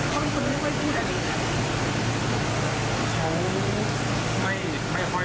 เป็นทีเหล่าครับ